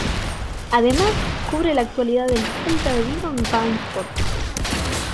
Además, cubre la actualidad del Celta de Vigo en Bein Sports.